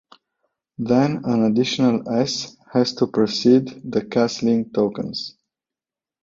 Then an additional "s" has to precede the castling tokens.